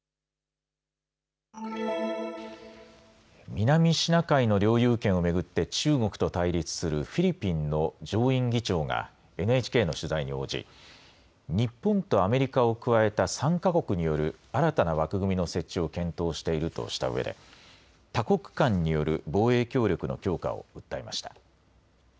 南シナ海の領有権を巡って、中国と対立するフィリピンの上院議長がＮＨＫの取材に応じ、日本とアメリカを加えた３か国による新たな枠組みの設置を検討しているとしたうえで、多国間による防衛協力の強化を訴えました。